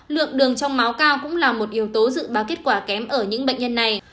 lượng đường trong máu cao cũng là một yếu tố dự báo kết quả kém ở những bệnh nhân này